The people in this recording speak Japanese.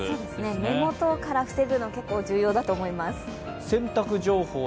目元から防ぐのは結構重要だと思います。